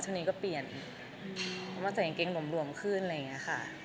ช่วงนี้ก็เปลี่ยนมาใส่ยังเกงรวมขึ้นอะไรอย่างนี้ค่ะ